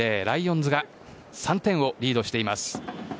ライオンズが３点をリードしています。